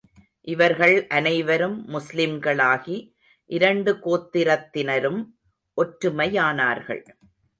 இவர்கள் அனைவரும் முஸ்லிம்களாகி, இரண்டு கோத்திரத்தினரும் ஒற்றுமையானார்கள்.